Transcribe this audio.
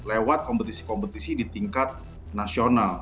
lewat kompetisi kompetisi di tingkat nasional